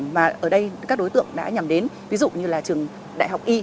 mà ở đây các đối tượng đã nhằm đến ví dụ như là trường đại học y